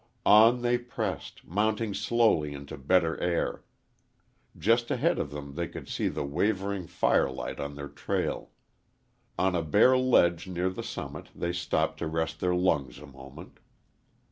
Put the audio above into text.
On they pressed, mounting slowly into better air. Just ahead of them they could see the wavering firelight on their trail. On a bare ledge near the summit they stopped to rest their lungs a moment.